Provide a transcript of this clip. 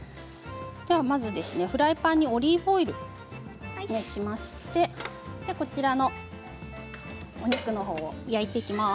フライパンにオリーブオイルを熱しましてこちらのお肉のほうを焼いていきます。